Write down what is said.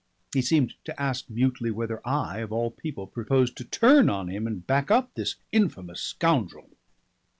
He seemed to ask mutely whether I of all people proposed to turn on him and back up this infamous scoundrel.